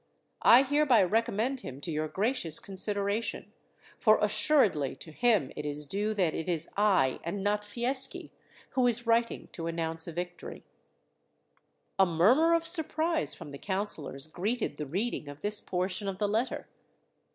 I hereby recommend him to your gracious consideration, for assuredly to him it is due that it is I, and not Fieschi, who is writing to announce a victory." A murmur of surprise from the councillors greeted the reading of this portion of the letter.